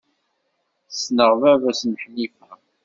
Ssneɣ baba-s n Ḥnifa.